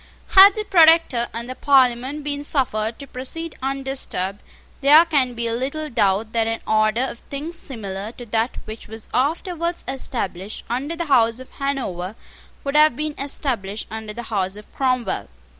Had the Protector and the Parliament been suffered to proceed undisturbed, there can be little doubt that an order of things similar to that which was afterwards established under the House of Hanover would have been established under the House of Cromwell.